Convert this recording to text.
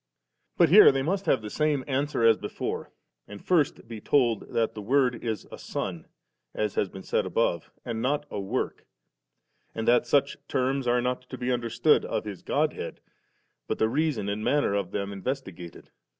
12. But here they must have the same answer as before, and first be told that the Word is a Son, as has been said above *, ^nd not a work, and that such terms are not to be understood of His Godhead, but the reason and manner of them investigated.